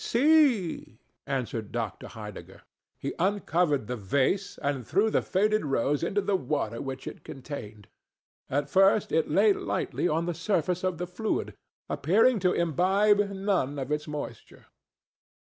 "See!" answered Dr. Heidegger. He uncovered the vase and threw the faded rose into the water which it contained. At first it lay lightly on the surface of the fluid, appearing to imbibe none of its moisture.